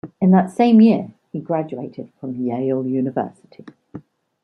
In that same year he graduated from Yale University.